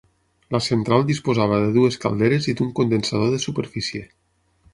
La central disposava de dues calderes i d'un condensador de superfície.